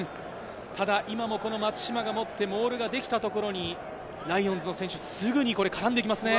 今も松島が持って、ボールが出てきたところにライオンズの選手、すぐに絡んできますね。